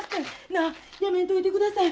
なあやめんといてください。